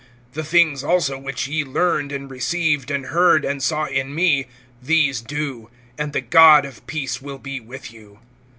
(9)The things also, which ye learned, and received, and heard, and saw in me, these do; and the God of peace will be with you.